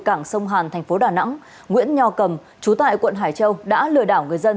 cảng sông hàn thành phố đà nẵng nguyễn nho cầm chú tại quận hải châu đã lừa đảo người dân